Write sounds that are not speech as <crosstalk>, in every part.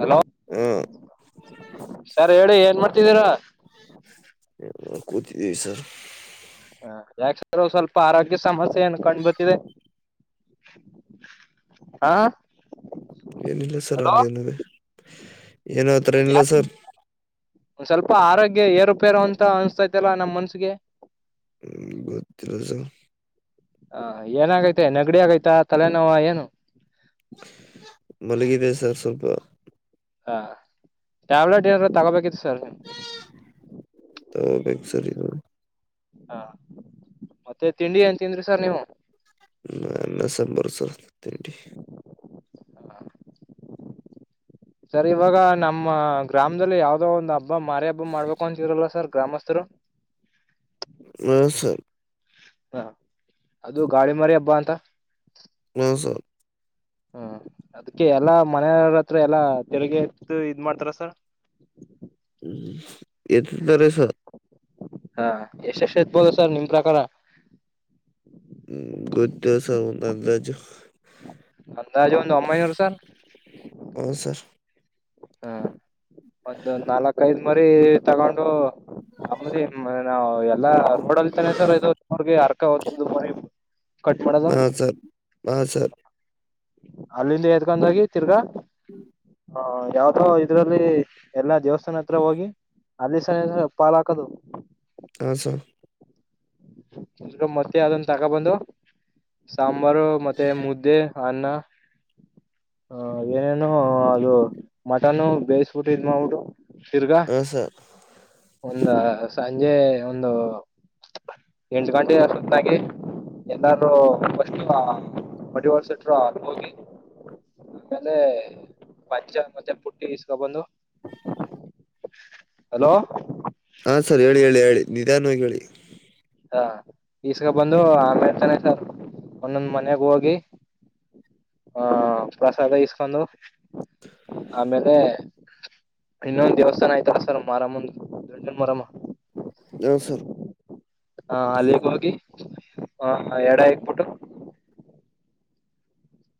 Hello ಹಾ sir ಹೇಳಿ ಏನ್ ಮಾಡ್ತಿದ್ದೀರ ಕೂತಿದೀವಿ ಸರ್ ಹ ಯಾಕ ಸರ್ ಸ್ವಲ್ಪ ಆರೋಗ್ಯ ಸಮಸ್ಯೆ ಏನು ಕಂಡ್ಬತ್ತಿದೆ ಹಾ ಏನಿಲ್ಲ ಸರ್ ಹಂಗೇನು ವೆ ಏನೂ ಅತರ ಇಲ್ಲ ಯಾಕ ಸರ್ ಒಂದ್ ಸ್ವಲ್ಪ ಆರೋಗ್ಯ ಏರುಪೇರು ಅಂತ ಅನ್ಸ್ತೈತೆಲ್ಲ ನಮ್ಮ್ ಮನ್ಸಿಗೆ <unintelligible> ಹ ಏನಾಗೈತೆ ನಗಡಿ ಆಗೈತ ತಲೆನೋವ ಏನು ಮಲಗಿದೆ ಸರ್ ಸ್ವಲ್ಪ ಹಾ ಟ್ಯಾಬ್ಲೆಟ್ ಏನ ತಗೋಬೇಕಿತ್ತು ಸರ್ ತಗೋಬೇಕು ಸರ್ ಇವಾಗ ಹಾ ಮತ್ತೆ ತಿಂಡಿ ಏನ್ ತಿಂದ್ರಿ ಸರ್ ನೀವು ಅನ್ನ ಅನ್ನ ಸಾಂಬಾರ್ ಸರ್ ತಂಡಿ ಸರ್ ಇವಾಗ ನಮ್ಮ ಗ್ರಾಮದಲ್ಲಿ ಯಾವ್ದೋ ಒಂದ್ ಹಬ್ಬ ಮಾರಿ ಹಬ್ಬ ಮಾಡ್ಬೇಕು ಅಂತರಲ್ಲ ಸರ್ ಗ್ರಾಮಸ್ಥರು ಹ ಸರ್ ಹಾ ಅದು ಗಾಳಿ ಮಾರಿ ಹಬ್ಬ ಅಂತ ಹಾ ಸರ್ ಹ್ಮ ಅದಕ್ಕೆ ಎಲ್ಲಾ ಮನೆಯವ್ರತ್ರ <unintelligible> ಎಲ್ಲಾ ತೆರಿಗೆ ಎತ್ತು ಇದ ಮಾಡ್ತಾರ ಸರ್ ಹ್ಮ್ <unintelligible> ಹಾ ಎಷ್ಟ ಎಷ್ಟು ಇತ್ಬೋದು ಸರ್ ನಿಮ್ ಪ್ರಕಾರ ಹ್ಮ ಗೊತ್ತಿಲ್ಲ ಸರ್ ಒಂದ್ ಅಂದಾಜು ಅಂದಾಜು ಒಂದು ಒಂಬೈನೂರು ಸರ್ ಹ್ಮ್ ಸರ್ ಹಾ ಒಂದು ನಾಲ್ಕ ಐದು ಮರಿ ತಗೊಂಡು <unintelligible> ನಾವು ಎಲ್ಲ ನೋಡಲ್ತಾನೆ ಸರ್ ಇದುಗೆ <unintelligible> ಅರ್ಕ ಹೋತೋದು ಕಟ್ ಮಾಡದು ಹಾ ಸರ್ ಹಾ ಸರ್ ಅಲ್ಲಿಂದ ಎದಕೊಂಡಾಗಿ ತಿರ್ಗಾ <unintelligible> ಹ ಯಾವ್ದೋ ಇದ್ರಲ್ಲಿ ಎಲ್ಲಾ ದೇವಸ್ಥಾನ ಹತ್ರ ಹೋಗಿ ಅಲ್ಲಿ ಸನ ಪಾಲ್ ಹಾಕದು ಹ ಸರ್ ಮತ್ತೆ ಯಾವ್ದೊನ್ ತಗೋ ಬಂದು ಸಮ್ ಸಾಂಬಾರು ಮತ್ತೆ ಮುದ್ದೆ ಅನ್ನ ಏನೇನು ಅದು ಮಟನ್ನು ಬೇಯಿಸಬಿಟ್ಟಿ ಇದ್ ಮಾಡಬಿಟ್ಟು ಹ್ಮ್ ಸರ್ ಒಂದ ಸಂಜೆ ಒಂದು. ಎಂಟ ಗಂಟೆ ಸುತ್ತಾಗಿ ಎಲ್ಲಾರೂ ಫಸ್ಟ್ <unintelligible> ಟ್ರು ಹೋಗಿ ಆಮೇಲೆ ಪಚ ಮತ್ತೆ ಪುಟ್ಟಿ ಇಸ್ಕೊಬಂದು. ಅಲೋ ಹಾ ಸರ್ ಹೇಳಿ ಹೇಳಿ ಹೇಳಿ ನಿಧಾನವಾಗಿ ಹೇಳಿ. ಹ ಈಸ್ಕೊಬಂದು ಆಮೇಲ್ತಾನೆ ಸರ್ ಒಂದೊಂದ್ ಮನೆಗ್ ಹೋಗಿ ಆಹ ಪ್ರಸಾದ ಹಾ ಈಸ್ಕೊಂಡು ಆಮೇಲೆ ಇನ್ನೊಂದ್ ದೇವಸ್ಥಾನ ಆಯ್ತಲ್ಲಾ ಸರ್ ಮಾರಮ್ಮದು ದಂಡಿನ ಮಾರಮ್ಮ. ಹ ಸರ್ ಹಾ ಅಲ್ಲಿಗ ಹೋಗಿ. ವಹಾ ಎಡ ಇಕ್ಕಬಿಟ್ಟು.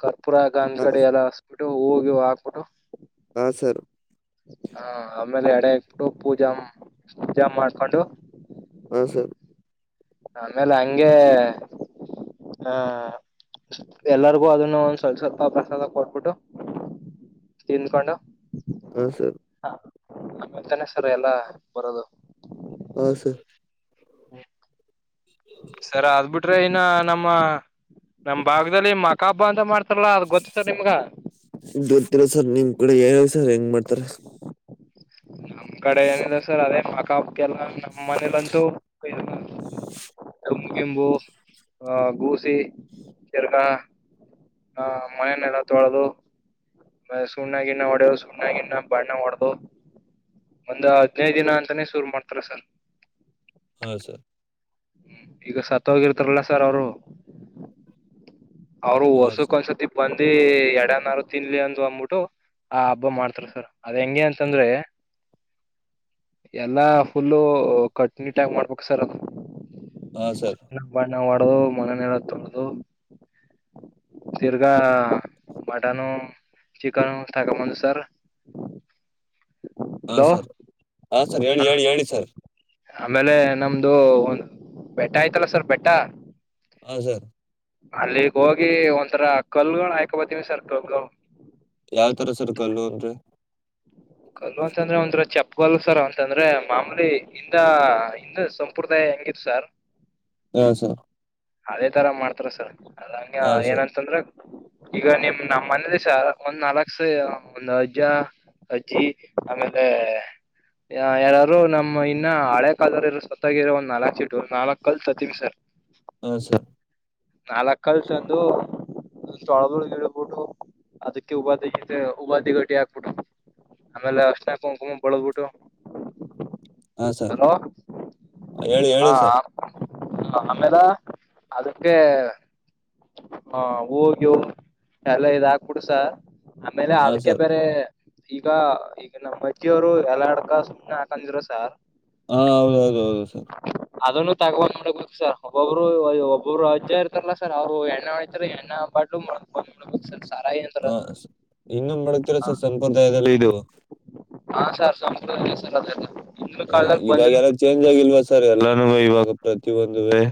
ಕಾ ಕರ್ಪೂರ ಗಂದ ಹಾ ಕಡ್ಡಿಯಲ್ಲ ಬಿಟ್ಟು ಹೂ ಗಿವ್ ಹಾಕ್ಬಿಟ್ಟು. ಹಾ ಸರ್ ಹಾ ಹಾ ಆಮೇಲೆ ಎಡೆ ಇಕ್ಬಿಟ್ಟು ಪೂಜಂ ಪೂಜಾ ಮಾಡ್ಕೊಂಡು, ಹಾ ಸರ್ ಆಮೇಲೆ ಹಂಗೆ ಆಹ ಎಲ್ಲರಿಗೂ ಅದನ್ನು ಒಂದ ಸ್ವಲ್ಪ ಸ್ವಲ್ಪ ಪ್ರಸಾದ ಕೊಟ್ಬಿಟ್ಟು ತಿಂದ್ಕೊಂಡು, ಹುಂ ಸರ್ ಆಮೇಲೆ ತಾನೆ ಸರ್ ಎಲ್ಲಾ ಬರೋದು. ಹೂ ಸರ್. <unintelligible> ಸರ ಅದ್ ಬಿಟ್ರೆ ಇನ್ನ ನಮ್ಮ ನಮ್ ಭಾಗದಲ್ಲಿ ಮಕಾ ಹಬ್ಬ ಅಂತ ಮಾಡ್ತ ಲ್ಲ ಅದ ಗೊತ್ ನಿಮ್ಗ? ಗೊತ್ತಿಲ್ಲ ಸರ್ ನಿಮ್ ಕಡೆ ಏನ್ ಹೆಂಗ್ ಮಾಡ್ತಾರೆ? ನಮ್ಮ್ ಕಡೆ ಏನಿಲ್ಲ ಸರ್ ಅದೇ ಮಕ್ಕ ಹಕ್ಕೆಲ್ಲ ನಮ್ಮ್ ಮನೇಲಂತೂ ತಮ್ ಗಿಂಬು ಆಹ ಗೂಸಿ ಚೆರ್ಗ ಹಾ ಮನೆನೆಲ್ಲ ತೊಳೆದು ಮ ಸುಣ್ಣಾಗಿನ್ನ ಹೊಡೆವ್ ಸುಣ್ಣಾಗಿನ್ನ ಬಣ್ಣ ಹೊಡದು ಒಂದ್ ಹದ್ನೈದು ದಿನ ಅಂತಾನೇ ಶುರು ಮಾಡ್ತಾರೆ ಸರ್. ಹಾ ಸರ್ ಹ್ಮ್ ಈಗ ಸತ್ ಹೋಗಿರ್ತಾರಲ್ಲ ಸರ್ ಅವರು ಅವ್ರು ಹಾ ಸರ್ ವರ್ಷಕ್ಕ ಒಂದ್ಸತಿ ಬಂದ್ ತಿ ಎಡೆನಾರ್ ತಿನ್ಲಿ ಅಂದು ಅಂಬಿಟ್ಟು ಆ ಹಬ್ಬ ಮಾಡ್ತಾರೆ ಸರ್. ಅದ್ ಹೆಂಗೆ ಅಂತಂದ್ರೆ. ಎಲ್ಲಾ ಫುಲ್ಲು ಕಟ್ನಿಟ್ಟಾಗಿ ಮಾಡ್ಬೇಕ ಸರ್ ಅದು. ಹಾ ಸರ್ ಒಡ್ದು ಮನೆನೆಲ್ಲ ತೊಳದು. ತಿರ್ಗ ಮಟನು ಚಿಕನ್ ತಕೊಬಂದ್ ಸರ್. ಹಾ ಹಲೋ ಸರ್ ಹಾ ಸರ್ ಹೇಳಿ ಹೇಳಿ ಹೇಳಿ ಸರ್. ಆಮೇಲೆ ನಮ್ದು ಒಂದು್ ಬೆಟ್ಟ ಆಯ್ತಲ್ಲ ಸರ್ ಬೆಟ್ಟ ಹ ಸರ್ ಅಲ್ಲಿಗ್ ಹೋಗಿ ಒಂಥರ ಕಲ್ಗಳ ಆಯ್ಕೊಬತಿವಿ ಸರ್ ಕಲ್ಗಳ. ಯಾವ್ ತರ ಸರ್ ಕಲ್ಲು ಅಂದ್ರೆ ಕಲ್ಲು ಅಂತಂದ್ರೆ ಒಂಥರ ಚಪ್ಪಗಲ್ ಸರ್ ಅಂತಂದ್ರೆ ಮಾಮೂಲಿ ಹಿಂದ ಹಿಂದ ಸಂಪ್ರದಾಯ ಹೇಗಿತ್ತು ಸರ್ ಹ ಸರ್ ಅದೇ ತರ ಮಾಡ್ತಾರ ಸರ್ ಅದಂಗ ಹಾ ಸರ್ ಏನಂತಂದ್ರೆ ಈಗ ನಿಮ್ ನಮ್ಮ್ ಮನೆಲಿ ಸರ್ ಒಂದ್ ನಾಲ್ಕ್ಸ ಒಂದ್ ಅಜ್ಜ. ಅಜ್ಜಿ ಆಮೇಲೆ ಯಾರಾರೂ ನಮ್ಮ್ ಇನ್ನ ಹಳೆ ಕಾಲ್ದೊರ ಯಾರಾರು ಸತ್ತಾಗಿರೋ ಒಂದ್ ನಾಲಕ್ ಶೀಟ್ ನಾಲಕ್ ಕಲ್ ತರ್ತಿವೀ ಸರ್. ಹಾ ಸರ್ ನಾಲ್ಕ್ ಕಲ್ ತಂದು ಅದನ್ನ ತೊಳೆದ ಗಿಳದುಬುಟ್ಟು ಅದಿಕ್ಕೆ ಹೂವಾ ದೀಗಟೆ ಹೂವಾ ದೀಗಟೆ ಹಾಕ್ಬಿಟ್ಟು ಆಮೇಲೆ ಅರಷ್ಣಾ ಕುಂಕುಮ ಬಳದಬುಟ್ಟು ಹಾ ಸರ್ ಹೇಳಿ ಹಾ ಹೇಳಿ ಸರ್. ಹ ಆಮೇಲಾ ಅದು. ಹಂಗೆ ಹ ಹೂವು ಗೀವು ಎಲ್ಲ ಇದ ಹಾಕ್ಬಿಟು ಸರ್ ಆಮೇಲೆ ಹಾ ಅದಕ್ಕೆ ಸರ್ ಬೇರೆ ಈಗಾ ಈಗ ನಮ್ಮ್ ಅಜ್ಜಿಯವರು ಎಲ ಅಡಕ ಸುಣ್ಣ ಹಾಕಂತಿದ್ರು ಸಾರ್ ಹಾ ಹೌದೌದು ಹೌದು ಸರ್. ಅದನ್ನು ತಗೊಂಡ್ ಹೋಗ್ಬೇಕು ಸರ್ ಒಬ್ಬೊಬ್ಬರು ಇವಗ್ ಇವಗ್ ಅವರು ಅಜ್ಜ ಇರ್ತಾರಲ್ಲ ಸರ್ ಅವರು ಎಣ್ಣೆ ಒಡೀತಾರೆ ಎಣ್ಣೆ ಬಾಟ್ಲು ಮರತ್ ಬಂದ್ ಬಿಡೋದು ಸರ್. ಸಾರಾಯಿ ಅಂತಾರ ಹ ಸ್ ಇನ್ನೊಂದು ಮಾಡಗ್ತಾರೆ ಅದು ಸರ್ ಸಂಪ್ರದಾಯಲ್ಲಿ ಇದು. ಹಾ ಸರ್ ಸಂಪ್ರದಾಯನೆ ಸರ್ ಅದೆಲ್ಲಾ ಹ್ಮ ಇವಾಗೆಲ್ಲ ಚೇಂಜ್ ಆಗಿಲ್ವ ಸ್ ಸರ್ ಎಲ್ಲಾನೂವೇ ಇವಾಗ ಪ್ರತಿ ಒಂದುವೇ.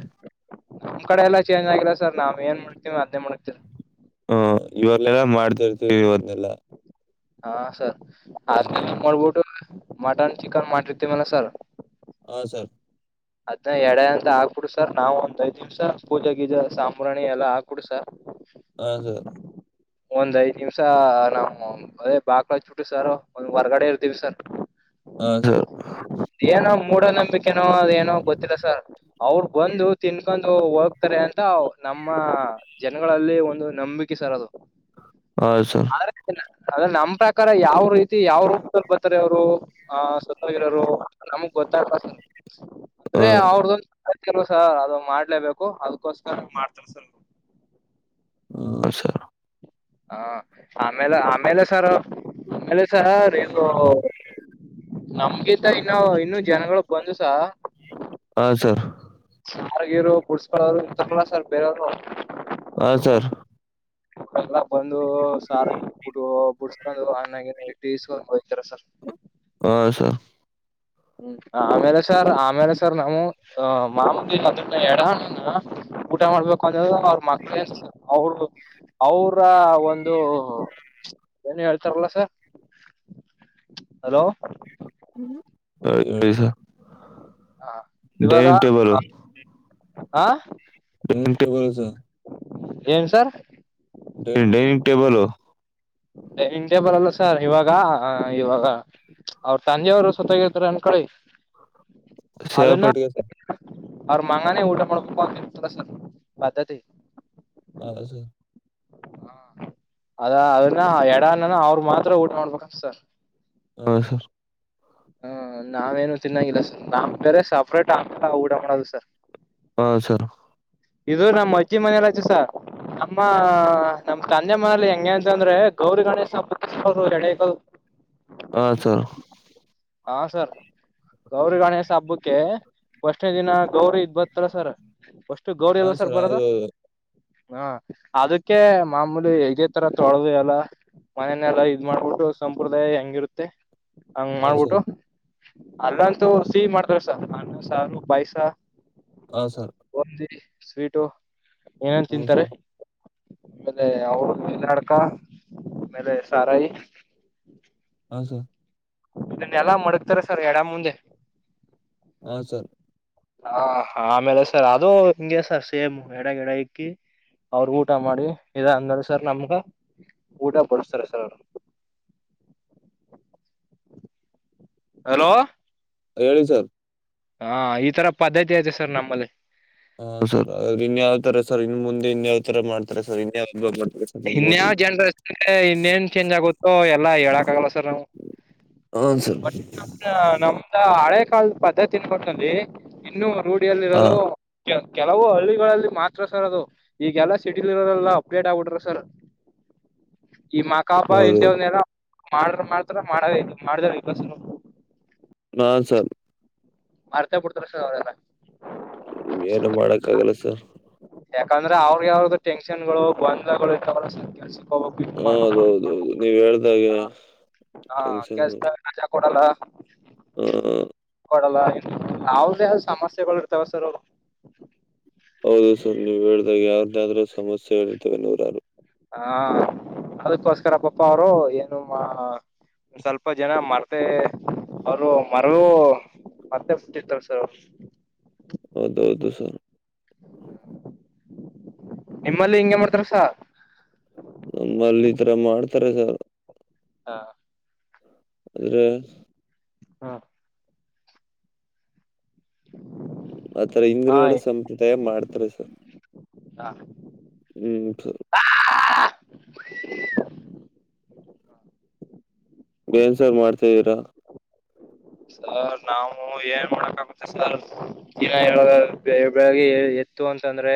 ನಮ್ ಕಡೆ ಎಲ್ಲ ಚೇಂಜ್ ಆಗಿಲ್ಲ ಸರ್ ನಾವ್ ಏನ್ ಮಾಡ್ಗತಿವೋ ಅದನ್ನೇ ಮಾಡಗ್ತಿವಿ. ಹ ಇವೆಲ್ಲವೇ ಮಾಡ್ತಾ ಇರ್ತೀವಿ ಇವತ್ ಎಲ್ಲ. ಹಾ ಸರ್. ಹಾ ಸರ್ ಎಲ್ಲಾನೂ ಮಾಡಗಬುಟ್ಟು ಮಟನ್ ಚಿಕನ್ ಮಾಡಿರ್ತಿವಲ್ಲ ಸರ್. ಹಾ ಸರ್. ಅದ್ನ ಎಡೆ ಅಂತ ಹಾಕ್ಬಿಡು ಸರ್ ನಾವ್ ಒಂದ್ ಐದ್ ನಿಮ್ಸ ಪೂಜೆ ಗಿಜೆ ಸಾಂಬ್ರಾಣಿ ಎಲ್ಲ ಹಾಕ್ಬಿಡು ಸರ್. ಹ ಸರ್. ಒಂದ್ ಐದ್ ನಿಮಿಷ ನಾವು ಅದೇ ಬಾಕ್ಲ್ ಅಚಬಿಟ್ಟು ಸರ್ ಹೊರ್ಗಡೆ ಇರ್ತೀವಿ ಸರ್. ಹ ಸರ್. ಏನೋ ಮ್ ಮೂಢ ನಂಬಿಕೆನೋ ಅದ ಏನೋ ಗೊತ್ತಿಲ್ಲ ಸರ್ ಅವ್ರು ಬಂದು ತಿನ್ಕೊಂಡು ಹೋಗ್ತಾರೆ ಅಂತ ನಮ್ಮ ಜನಗಳಲ್ಲಿ ಒಂದು ನಂಬಿಕೆ ಸರ್ ಅದು. ಹಾ ಸರ್ ಆರನೇ ದಿನಾ ಅದೇ ನಮ್ಮ ಪ್ರಕಾರ ಯಾವ ರೀತಿ ಯಾವ ರೂಪದಲ್ಲಿ ಬತ್ತಾರೆ ಅವ್ರು ಹ ಸತ್ತುಹೋಗಿರೋರು. ನಮ್ಗ್ ಗೊತಾಗಲ್ಲ ಸರ್. ಅಂದ್ರೆ ಅವ್ರ್ ಹಾ ದೊಂದು. ಅದ್ಕೆ ಅಲ್ವಾ ಸರ್ ಅದನ್ನ ಮಾಡ್ಲೇಬೇಕು ಅದ್ಕೋಸ್ಕರ ಅಂಗ್ ಮಾಡ್ತಾರೇ ಸರ್. ಹ್ಮ ಸರ್. ಹಾ ಆಮೇಲೆ ಆಮೇಲೆ ಸರ್ ಆಮೇಲೆ. ಸರ್ ಇದು. ನಮ್ಗಿದ್. ಇನ್ನು ಇನ್ನು ಜನಗಳು ಬಂದು. ತ್ತ. ಹಾ ಸರ್. ಆಾರ್ಗಿರು ಕುುಡ್ಸ್ಕಳರು ತಕ್ಲ ಸರ್ ಬೇರೆಯವ್ರು. ಹಾ ಸರ್. ಲ್ಲ ಬಂದು ಸಾರ ಬಿಡು ಬಿಡ್ಸ್ಕೊಂಡು ಅಣ್ಣಾಗಿ ನೈಟಿ ಇಸ್ಕೊಂಡ್ ಹೋಗ್ತಾರೆ ಸರ್. ಹ ಸ. ಹ್ಮ್ ಆಮೇಲೆ ಸರ್ ಆಮೇಲೆ ಸರ್ ನಾವು ಅ ಮಾಮ ಎಡಹಣ್ಣನ ಊಟ ಮಾಡ್ಬೇಕು ಅಂದ ಅವ್ರ ಮಕ್ಳೇ ಅವರು ಅವ್ರ ಒಂದು ಏನು ಹೇಳ್ತಾರಲ್ಲ ಸರ್ ಹಲೋ ಹ. <unintelligible> Dining table. ಹಾ. ಟೆನ್ನಿಂಗ್ ಟೇಬಲ್ ಸರ್. ಏನ್ sir. Dining table. Dining table ಅಲ್ಲ ಸರ್ ಇವಾಗ ಇವಾಗ ಅವ್ರ ತಂದೆ ಅವರು ಸತ್ತೋಗಿರ್ತಾರೆ ಅನ್ಕಳಿ. ಸೇವಾ ಪಟ್ಟಿಗೆ. ಅವರು ಮಗನೇ ಊಟ ಮಾಡಬೇಕು ಅಂತಿದ್ದ ಸರ್ ಪದ್ಧತಿ. <unintelligible> ಹ ಅದ ಅದನ್ನ ಎಡಾನ್ನನ ಅವ್ರ ಮಾತ್ರ ಊಟ ಮಾಡ್ಬೇಕಂತೆ ಸರ್. ಹಾ ಸರ್. ಹ್ಮ ನಾವೇನು ತಿನ್ನಾಗಿಲ್ಲ ಸ ನಾ ಬೇರೆ ಸಪ್ರೇಟ್ ಆ ಊಡ ಮಾಡೋದು ಸರ್. ಹಾ ಸರ್. ಇದು ನಮ್ಮ್ ಅಜ್ಜಿ ಮನಲಚೆಸ ನಮ್ಮ ನಮ್ ತಂದೆ ಮನಲಿ ಹೆಂಗೆ ಅಂತ ಅಂದ್ರೆ ಗೌರಿ ಗಣೇಶನ ಹಬ್ಬಕ್ಕೆ <unintelligible> ಹಾ ಸರ್ ಹಾ ಸರ್ ಗೌರಿ ಗಣೇಶ ಹಬ್ಬಕ್ಕೆ ಫಷ್ಟೇ ದಿನ. ಗೌರಿ ಇದ್ ಬರ್ತಾರ ಸರ್ ಫರ್ಸ್ಟ ಗೌರಿ ಹಾ ಅಲಾ ಸರ್ ಬರದು ಹೌದೌದು ಹಾ ಅದಕ್ಕೆ ಮಾಮೂಲಿ ಹೆಗೆ ತರ ತೊಳದು. ಹ ಸರಿ. ಅಲ್ಲಂತೂ ಸಿಹಿ ಮಾಡ್ತಾರ ಸರ್ ಅನ್ನ ಸಾರು ಪಾಯ್ಸ. ಹಾ ಸರ್ ಒಂದಿ. ಸ್ವೀಟು ಏನೇನ್ ಹಾ ತಿಂತಾರೆ ಸರ್ ಆಮೇಲೆ ಅವರು ಮೀನಾಡ್ಕ ಆಮೇಲೆ ಸಾರಾಯಿ. ಹೌ ಸರ್. ಎಲ್ಲಾ ಮಡಗ್ತಾರೆ ಸರ್ ಎಡ ಮುಂದೆ. ಹ ಸರ್. ಹಾ ಆಮೇಲೆ ಸರ್ ಅದು ಹಿಂಗಗೆ ಸರ್ ಸೇಮ್ ಎಡ ಗಿಡ ಇಕ್ಕಿ ಅವರು ಊಟ ಮಾಡಿ ಇದ ಅಂದ್ಮ್ರ ಸರ್ ನಮ್ಗ ಊಟ ಬಡಸ್ತಾರೆ ಸರ್ ಅವರು ಹಲೋ ಹೇಳಿ ಸರ್ ಹಾ ಈ ತರ ಪದ್ಧತಿ ಐತೆ ಸರ್ ನಮ್ಮಲ್ಲಿ ಹಾ ಸರ್ ಇನ್ ಯಾವ್ ತರ ಸರ್ ಇನ್ ಮುಂದೆ ಇನ್ಯಾವ ತರ ಮಾಡ್ತಾರೆ ಸರ್ ಇನ್ವ್ದ್ತ ಇನ್ಯಾವ ಜನ್ರೇಷನ್ಗೆ ಇನ್ನೇನ್ ಚೇಂಜ್ ಆಗುತ್ತೋ ಎಲ್ಲಾ ಹೇಳಕ್ಗಲ್ಲ ಸರ್ ನಾವು ಹಾ ಸರ್ ನಮ್ದ ಹಳೆ ಕ ಪದ್ಧತಿನ್ಕಟ್ನ್ಲ್ಲಿಇನ್ನು ರೂಢಿಯಲ್ಲಿ ಹಾ ಇರೋದು ಕೆಲವು ಹಳ್ಳಿಗಳಲ್ಲಿ ಮಾತ್ರ ಸರ್ ಅದು ಈಗಲ್ಲ ಸಿಟಿಲ್ಲಾ ಅಪ್ಡೇಟ್ ಆಗಬಿಟ್ರೆ ಸರ ಈ ಮಾ ಕಾಬ ಹೌದೌದು ಎಂರ ಮಾಡ್ರ ಮಾಡ್ತಾರ ಮಾಡ ಮಾಡದ್ರಸ್ ಹಾ ಸರ್ ಮಾಡ್ತಾ ಬಿಡ್ತಾರ ಸರ್ ಅವರೆಲ್ಲ ಏನು ಮಾಡಕ್ಕ ಆಗಲ್ಲ ಸರ್ ಯಾಕಂದ್ರ ಅವ್ರಿಗೆ ಯಾವ್ರ್ದು ಟೆನ್ಷನ್ ಗಳು ಗೊಂದ್ಲಗಳು ಹೌದೌದ ಹೌದು ನೀವ್ ಹೇಳ್ದಾಗೆ ಹ ಹಾ ಟೆನ್ಷನ್ ಕೆಲ್ಸದಾಗ ರಜಾ ಕೊಡಲ್ಲ ಹ ಕೊಡಲ್ಲ ಯಾವ್ದ ಯಾವ್ದ ಸಮಸ್ಯೆಗಳು ಇರ್ತಾವ ಸರ್ ಹೌದು ಸು ನೀವು ಹೇಳಿದಾಗ ಯಾರ್ದಾದ್ರೂ ಸಮಸ್ಯೆ ಹೇಳತವೆ ನೋರರು ಹಾ ಅದಕ್ಕೋಸ್ಕರ ಪಪ್ಪ ಅವರು ಏನು ಸ್ವಲ್ಪ ಜನ ಮರ್ತೆ ಅವರು ಮರಗೂ ಮತ್ತೆ ಹುಟ್ಟಿರ್ತಾರ ಸರ್ ಅವರು ಹೌದುೌದು ಸರ್ ನಿಮ್ಮಲ್ಲಿ ಹಿಂಗಗೆ ಮಾಡ್ತಾರಸ ನಮ್ಮಲ್ಲಿ ಈ ತರ ಮಾಡ್ತಾರೆ ಸರ್ ಹಾ ಅ ಹಾ ಆತರ ಹಾ ಇಂದರುಗಳು ಹಾ ಸಂಪ್ರದಾಯ ಮಾಡ್ತಾರೆ ತರೆ ಸರ್ ಹ್ಮ್ ಸ ಹ ಏನ್ ಸರ್ ಮಾಡ್ತಿದ್ದೀರ ಸರ್ ನಾವು ಏನ್ ಮಾಡಕ್ ಆಾಗುತ್ತೆ ಸರ್ ಈಿನ ಬೆಳಗೆ ಎತ್ತು ಅಂತಂದ್ರೆ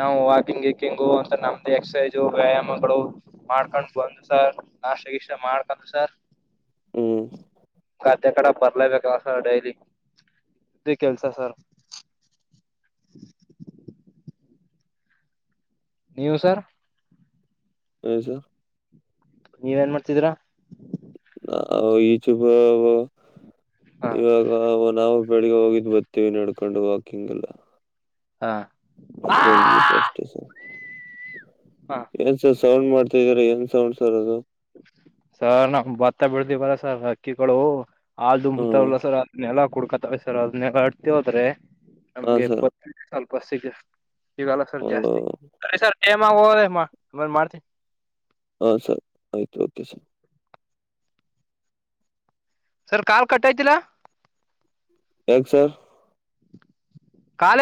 ನಾವು ವಾಕಿಂಗ್ ವಕಿಂಗು ಸರ್ ನಾವು ಎನ್ ಮಾಡೋಕಾಗುತ್ತೆ ಸರ್ ಹೇಳೋದಾದ್ರೆ ಇತ್ತು ಅಂತ ಅಂದ್ರೆ ನಾವು ವಾಕಿಂಗ್ ಅಂತ ನಮ್ದು ಎಕ್ಸಸೈಜು ವ್ಯಾಯಾಮಗಳು ಮಾಡ್ಕೊಂಡ್ ಬಂದು ಸರ್ ನಾಷ್ಟಗಿಷ್ಟ ಮಾಡ್ಕೊಂಡು ಸರ್ ಹ್ಮ್ ಅತ್ತ ಕಡೆ ಬರ್ಲೇಬೇಕ ಸರ್ ಡೈಲಿ ಇದದು ಕೆಲ್ಸ ಸರ್ <inaudible> <unintelligible> ನೀವು ಸರ್ ಹಸ ನೀವ ನ್ ಮಾಡ್ತಿದೀರಾ ಈ ಚುಬ ಹ ಇವಾಗ ನಾವು ಬೆಳಿಗ್ಗೆ ಹೋಗಿದ್ದ್ ಬರ್ತೀವಿ ನಡ್ಕೊಂಡು ವಾಕಿಂಗ್ ಎಲ್ಲ ಹಾ ಫ್ರೆಂಡ್ ಜೊತೆ ಅಷ್ಟೇ ಸರ್ ಹ ಏನ್ ಸರ್ ಸೌಂಡ್ ಮಾಡ್ತಾ ಇದರ ಏನ್ ಸೌಂಡ್ ಸರ್ ಅದು ಸರ್ ನಾವು ಭತ್ತ ಬೆಳ್ದಿವಲ್ಲ ಸರ್ ಹಕ್ಕಿಗಳು ಆದು ಹ್ಮ್ ಬತಲ್ಲ ಸರ್ ನೆಲ ಕುಡ್ಕತಸರ್ ಅದನ್ನ ಅತದೆ ಹೋದ್ರೆ ಹಾ ನಮ್ಗೆಪ್ಪ ಸರ್ <inaudible> ಸ್ವಲ್ಪ <unintelligible> ಸಿಗಲ್ಲ ಸರ್ ಜಾಸ್ತಿ <unintelligible> ಮಾಡ್ತೀನಿ ಹಾ ಸರ್ ಆಯ್ತು okay sir sir call cut ಅಯ್ತಿಲ್ಲ ಯಾಕೆ ಸರ್ ಕಾಲ